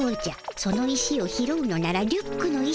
その石を拾うのならリュックの石をすてるのじゃ。